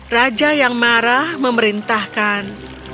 raja yang marah memerintahkan